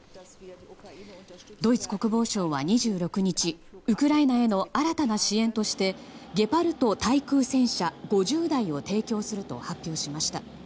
ドイツ国防省は２６日ウクライナへの新たな支援として「ゲパルト対空戦車」５０台を提供すると発表しました。